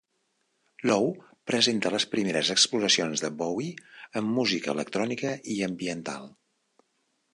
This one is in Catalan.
"Low" presenta les primeres exploracions de Bowie en música electrònica i ambiental.